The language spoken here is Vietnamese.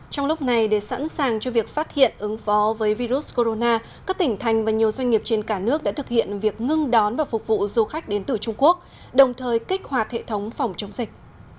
trong lúc này để sẵn sàng cho việc phát hiện ứng phó với virus corona các tỉnh thành và nhiều doanh nghiệp trên cả nước đã thực hiện việc ngưng đón và phục vụ du khách đến từ trung quốc đồng thời kích hoạt hệ thống phòng chống dịch